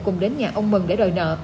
cùng đến nhà ông mừng để đòi nợ